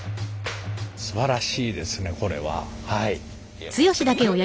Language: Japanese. すばらしいですねこれは。